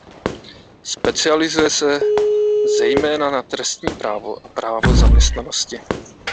Specializuje se zejména na trestní právo a právo zaměstnanosti.